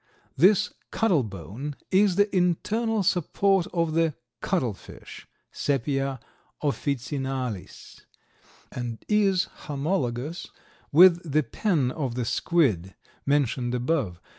This "cuttle bone" is the internal support of the Cuttle fish (Sepia officinalis) and is homologous with the pen of the squid, mentioned above.